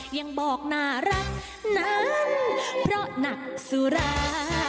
ยังบอกน่ารักนานเพราะหนักสุรา